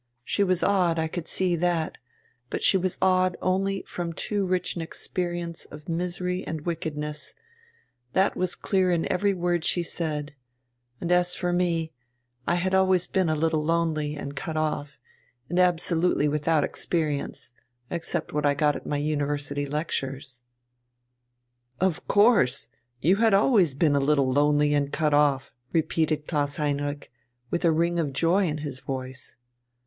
She was odd, I could see that: but she was odd only from too rich an experience of misery and wickedness, that was clear in every word she said; and as for me, I had always been a little lonely and cut off, and absolutely without experience, except what I got at my University lectures." "Of course, you had always been a little lonely and cut off!" repeated Klaus Heinrich, with a ring of joy in his voice.